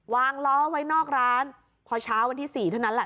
วางล้อไว้นอกร้านพอเช้าวันที่๔เท่านั้นแหละ